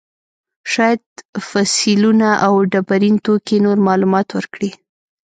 شاید فسیلونه او ډبرین توکي نور معلومات ورکړي.